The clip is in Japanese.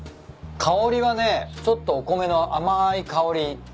香りはねちょっとお米の甘い香り。